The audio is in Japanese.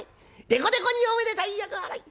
でこでこにおめでたい厄払い。